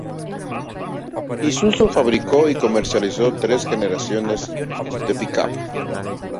Isuzu fabricó y comercializó tres generaciones del pickup.